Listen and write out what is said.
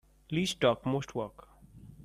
Least talk most work.